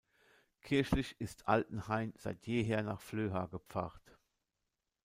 Kirchlich ist Altenhain seit jeher nach Flöha gepfarrt.